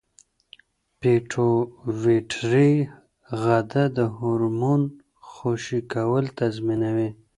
پېټویټري غده د هورمون خوشې کول تنظیموي.